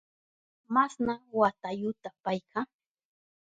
¿Masna watayuta payka?